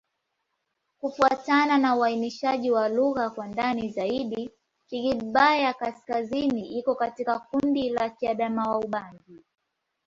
Kufuatana na uainishaji wa lugha kwa ndani zaidi, Kigbaya-Kaskazini iko katika kundi la Kiadamawa-Ubangi.